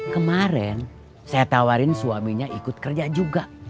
kemarin saya tawarin suaminya ikut kerja juga